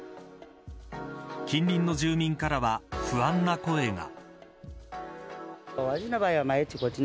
近隣の住民からは不安な声が。